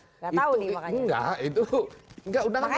tadi kan saya tanya relasinya gimana